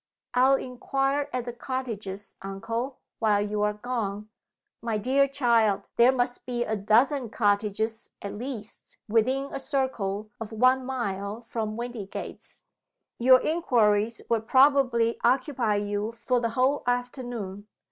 "I'll inquire at the cottages, uncle, while you are gone." "My dear child, there must be a dozen cottages, at least, within a circle of one mile from Windygates! Your inquiries would probably occupy you for the whole afternoon.